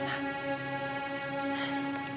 eang kok berpikir